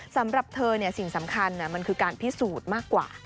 สำหรับเธอสิ่งสำคัญมันคือการพิสูจน์มากกว่า